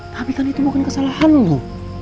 tapi kan itu bukan kesalahan lo